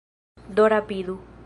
Do rapidu!